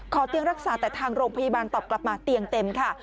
เตียงรักษาแต่ทางโรงพยาบาลตอบกลับมาเตียงเต็มค่ะ